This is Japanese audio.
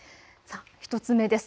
１つ目です。